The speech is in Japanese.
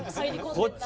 こっち